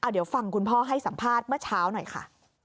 เดี๋ยวฟังคุณพ่อให้สัมภาษณ์เมื่อเช้าหน่อยค่ะ